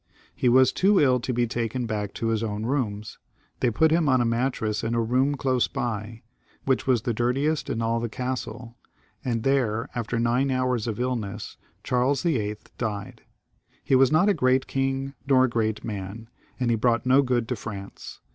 He was too iU to be taken back to his own rooms ; they put him on a mattress in a room close by, which was the dirtiest in all the castle, and there, after nine hours of illness, Charles VIII. died. He was not a great king, nor a great man, and he brought no good to France.